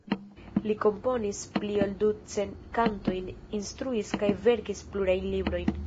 Li komponis pli ol ducent kantojn, instruis kaj verkis plurajn librojn.